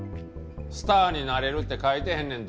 「スターになれる」って書いてへんねん